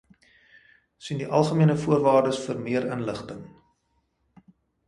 Sien die Algemene Voorwaardes vir meer inligting.